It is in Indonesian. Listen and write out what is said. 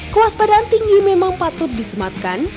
kuas badan tinggi memang patut disematkan